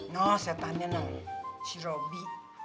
no setannya namanya si robi